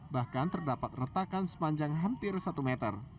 bahkan terdapat retakan sepanjang hampir satu meter